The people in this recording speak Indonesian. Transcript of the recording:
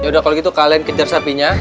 yaudah kalau gitu kalian kejar sapinya